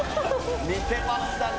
似てましたね